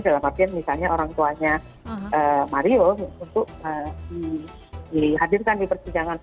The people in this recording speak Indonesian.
dalam artian misalnya orang tuanya mario untuk dihadirkan di persidangan